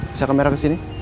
bisa kamera ke sini